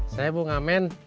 saya bu ngamen